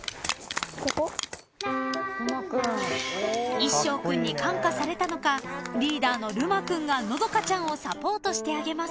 ［いっしょう君に感化されたのかリーダーのるま君がのどかちゃんをサポートしてあげます］